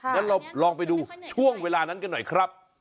งั้นเราลองไปดูช่วงเวลานั้นกันหน่อยครับ